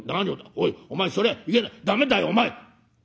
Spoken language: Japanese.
おいお前それいや駄目だよお前」。